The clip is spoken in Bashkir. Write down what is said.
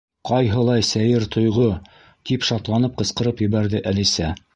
—Ҡайһылай сәйер тойғо! —тип шатланып ҡысҡырып ебәрҙе Әлисә.